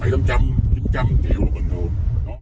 trăm triệu là bình thường